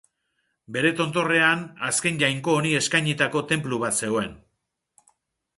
Bere tontorrean, azken jainko honi eskainitako tenplu bat zegoen.